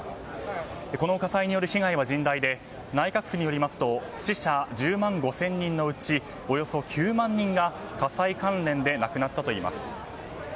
この火災による被害は甚大で内閣府によりますと死者１０万５０００人のうちおよそ９万人が火災関連で亡くなったといいます。